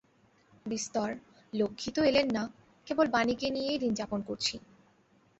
বিস্তর– লক্ষ্মী তো এলেন না, কেবল বাণীকে নিয়েই দিন যাপন করছি।